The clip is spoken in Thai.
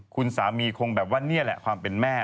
คุณสามีคงแบบว่านี่แหละความเป็นแม่